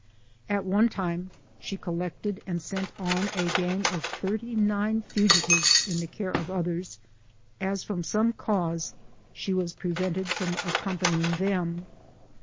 At one time she collected and sent on a gang of thirty nine fugitives in the care of others, as from some cause she was prevented from accompanying them.